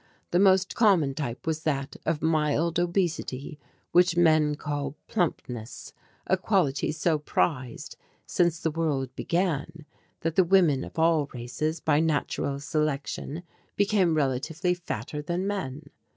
The most common type was that of mild obesity which men call "plumpness," a quality so prized since the world began that the women of all races by natural selection become relatively fatter than men.